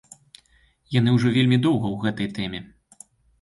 Яны ўжо вельмі доўга ў гэтай тэме.